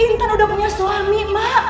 intan udah punya suami mbak